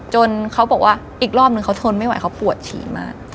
เขาบอกว่าอีกรอบนึงเขาทนไม่ไหวเขาปวดฉี่มาก